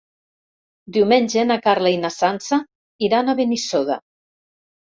Diumenge na Carla i na Sança iran a Benissoda.